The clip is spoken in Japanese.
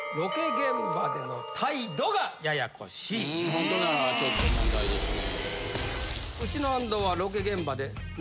ホントならちょっと問題ですね。